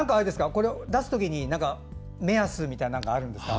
これを出す時になんか目安みたいなのあるんですか？